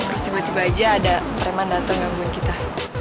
terus tiba tiba aja ada remandator ngambil kita